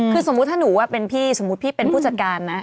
คือสมมุติเราว่าเป็นพี่พี่เป็นผู้จัดการนะ